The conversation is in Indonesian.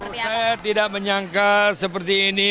saya tidak menyangka seperti ini